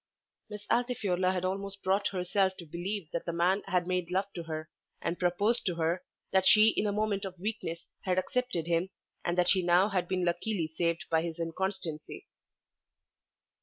Miss Altifiorla had almost brought herself to believe that the man had made love to her, and proposed to her, that she in a moment of weakness had accepted him, and that she now had been luckily saved by his inconstancy.